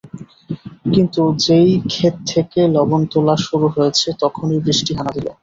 কিন্তু যেই খেত থেকে লবণ তোলা শুরু হয়েছে তখনই বৃষ্টি হানা দিল।